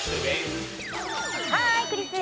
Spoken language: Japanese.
ハーイクリス！